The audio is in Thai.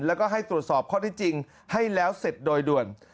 แล้วก็ให้ตรวจสอบข้อที่จริงให้แล้วเสร็จโดยด่วน